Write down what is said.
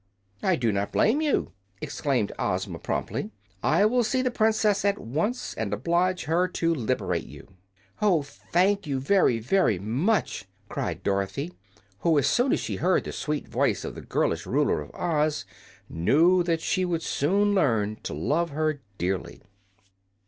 "I do not blame you," exclaimed Ozma, promptly. "I will see the Princess at once, and oblige her to liberate you." "Oh, thank you very, very much!" cried Dorothy, who as soon as she heard the sweet voice of the girlish Ruler of Oz knew that she would soon learn to love her dearly.